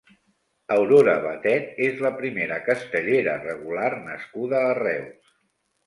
Aurora Batet és la primera castellera regular nascuda a Reus.